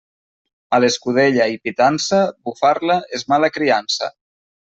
A l'escudella i pitança, bufar-la és mala criança.